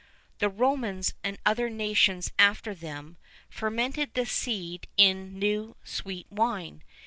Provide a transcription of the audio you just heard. [VI 4] The Romans, and other nations after them, fermented this seed in new sweet wine.